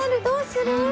どうする？